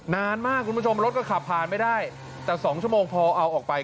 นานมากคุณผู้ชมรถก็ขับผ่านไม่ได้แต่๒ชั่วโมงพอเอาออกไป